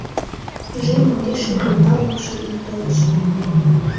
Тӱжем индеш шӱдӧ ныллымше ий толеш.